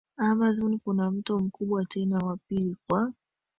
Amazon kuna mto mkubwa tena wa pili kwa